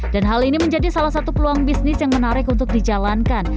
dan hal ini menjadi salah satu peluang bisnis yang menarik untuk dijalankan